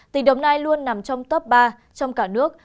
tỉnh đồng nai luôn nằm trong top ba trong cả nước